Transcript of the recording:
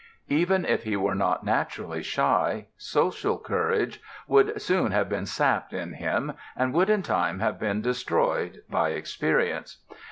Even if he were not naturally shy, social courage would soon have been sapped in him, and would in time have been destroyed, by experience.